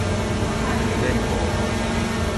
In ben poco.